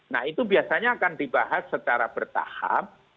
nah itu biasanya akan dibahas secara bertahap